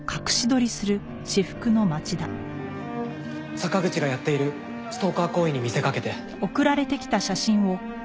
坂口がやっているストーカー行為に見せかけて。